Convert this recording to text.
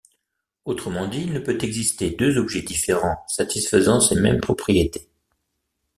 Autrement dit, il ne peut exister deux objets différents satisfaisant ces mêmes propriétés.